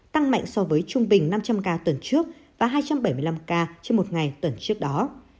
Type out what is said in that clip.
tăng mạnh so với trung bình năm trăm linh ca tuần trước và hai trăm bảy mươi năm ca trên một ngày tuần trước đó